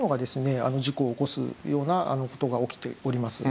事故を起こすような事が起きております。